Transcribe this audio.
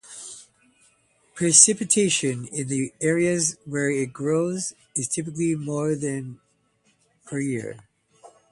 Precipitation in the areas where it grows is typically to more than per year.